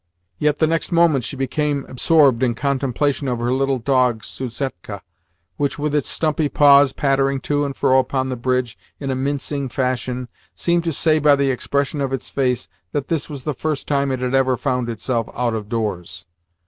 Yet the next moment she became absorbed in contemplation of her little dog Susetka, which, with its stumpy paws pattering to and fro upon the bridge in a mincing fashion, seemed to say by the expression of its face that this was the first time it had ever found itself out of doors.